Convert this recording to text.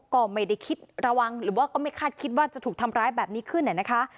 ก็ไม่ได้คิดระวังหรือว่าก็ไม่คาดคิดว่าจะถูกทำร้ายแบบนี้ขึ้นนะคะ